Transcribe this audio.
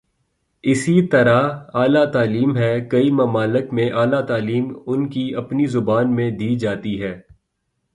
اسی طرح اعلی تعلیم ہے، کئی ممالک میںاعلی تعلیم ان کی اپنی زبانوں میں دی جاتی ہے۔